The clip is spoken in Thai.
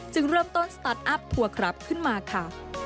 เริ่มต้นสตาร์ทอัพทัวร์ครับขึ้นมาค่ะ